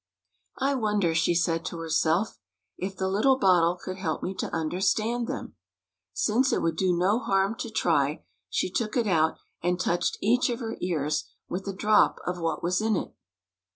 " I wonder," she said to herself, " if the little bottle could help me to understand them?" Since it would do no harm to try, she took it out, and touched each of her ears with a drop of what was in it.